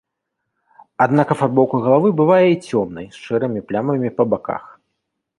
Аднак афарбоўка галавы бывае і цёмнай з шэрымі плямамі па баках.